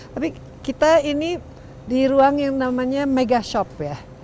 tapi kita ini di ruang yang namanya mega shop ya